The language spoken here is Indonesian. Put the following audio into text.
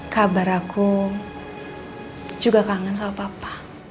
kabar aku juga kangen sama papa